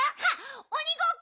おにごっこ！